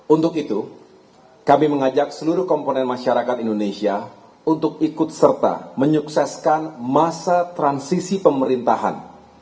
untuk itu kami mengajak seluruh komponen masyarakat indonesia untuk ikut serta menyukseskan masa transisi pemerintahan